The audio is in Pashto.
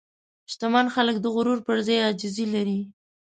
شتمن خلک د غرور پر ځای عاجزي لري.